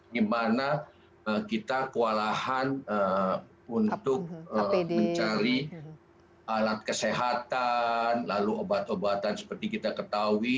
dimana kita kewalahan untuk mencari alat kesehatan lalu obat obatan seperti kita ketahui